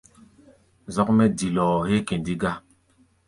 Zɔ́k mɛ́ dilɔɔ héé kɛndi gá.